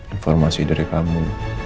informasi dari kamu